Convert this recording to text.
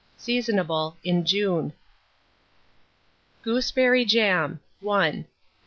Seasonable in June. GOOSEBERRY JAM. I.